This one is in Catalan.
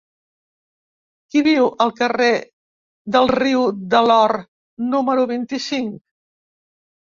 Qui viu al carrer del Riu de l'Or número vint-i-cinc?